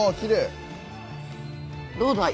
どうだい？